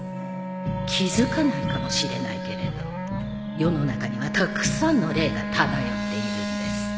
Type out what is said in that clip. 気付かないかもしれないけれど世の中にはたくさんの霊が漂っているんです。